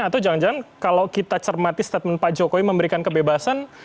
atau jangan jangan kalau kita cermati statement pak jokowi memberikan kebebasan